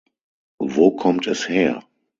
Wo kommt es her?